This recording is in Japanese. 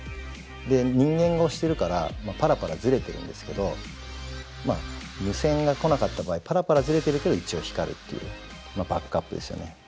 で人間が押してるからパラパラずれてるんですけど無線が来なかった場合パラパラずれてるけど一応光るっていうバックアップですよね。